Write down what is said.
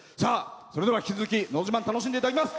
それでは、引き続き「のど自慢」楽しんでまいります。